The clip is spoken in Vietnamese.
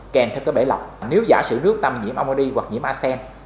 kèm theo cái bể lọc nếu giả sử nước ta mà nhiễm amodi hoặc nhiễm asen